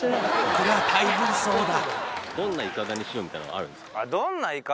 こりゃ大変そうだ